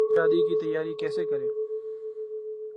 دلہنیں شادی کی تیاری کیسے کریں